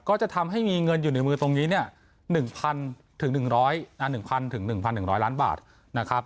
ก็จะทำให้มีเงินอยู่ในมือตรงนี้เนี่ยหนึ่งพันถึงหนึ่งร้อยอ่าหนึ่งพันถึงหนึ่งพันหนึ่งร้อยล้านบาทนะครับ